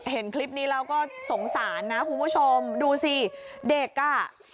เห็นคลิปนี้แล้วก็สงสารนะคุณผู้ชมดูสิเด็กอ่ะ